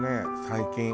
最近。